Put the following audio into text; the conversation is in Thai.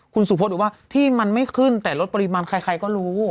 คุณสุพธบอกว่าที่มันไม่ขึ้นแต่ลดปริมาณใครก็รู้